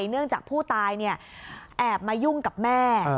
เนื่องจากผู้ตายแอบมายุ่งกับแม่